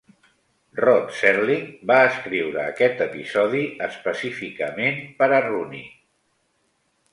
Rod Serling va escriure aquest episodi específicament per a Rooney.